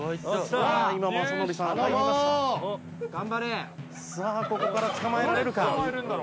さあここから捕まえられるか？